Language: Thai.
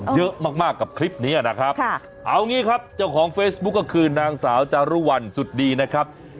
เยอะมากกับคลิปนี้นะครับเอางี้ครับเจ้าของเฟซบุ๊คก็คือนางสาวจารุวัลสุดดีนะครับ